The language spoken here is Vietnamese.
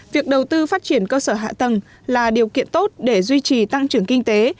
việc đầu tư phát triển cơ sở hạ tầng là điều kiện tốt để duy trì tăng trưởng kinh tế